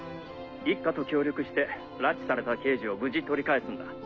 一課と協力して拉致された刑事を無事取り返すんだ。